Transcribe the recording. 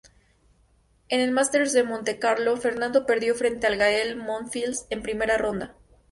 En el Masters de Montecarlo Fernando perdió frente a Gaël Monfils en primera ronda.